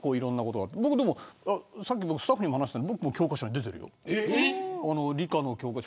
さっきスタッフにも話したけど僕も教科書に出てるよ。